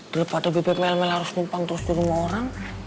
dilepas ada bebek mel mel harus numpang terus ke rumah orang